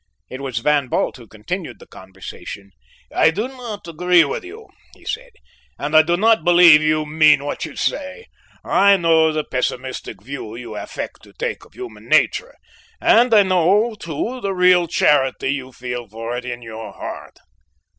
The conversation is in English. It was Van Bult who continued the conversation. "I do not agree with you," he said, "and I do not believe you mean what you say; I know the pessimistic view you affect to take of human nature, and I know, too, the real charity you feel for it in your heart."